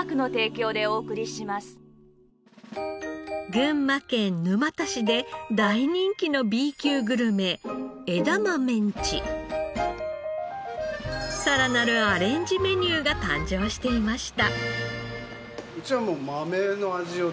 群馬県沼田市で大人気のＢ級グルメさらなるアレンジメニューが誕生していました。